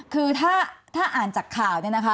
คือถ้าอ่านจากข่าวเนี่ยนะคะ